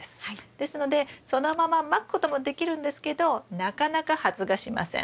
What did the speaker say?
ですのでそのまままくこともできるんですけどなかなか発芽しません。